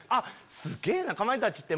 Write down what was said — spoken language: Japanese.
すげぇなかまいたちって。